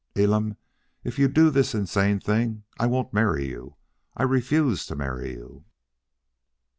Elam, if you do this insane thing, I won't marry you. I refuse to marry you."